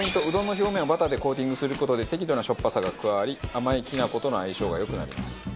うどんの表面をバターでコーティングする事で適度な、しょっぱさが加わり甘いきな粉との相性がよくなります。